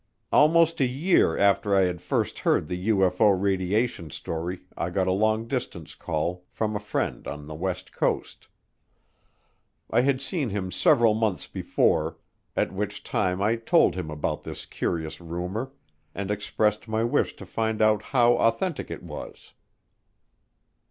Almost a year after I had first heard the UFO radiation story I got a long distance call from a friend on the west coast. I had seen him several months before, at which time I told him about this curious rumor and expressed my wish to find out how authentic it was.